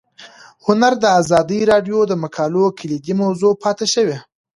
هنر د ازادي راډیو د مقالو کلیدي موضوع پاتې شوی.